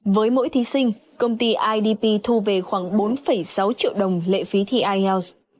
với mỗi thí sinh công ty idp thu về khoảng bốn sáu triệu đồng lệ phí thi ielts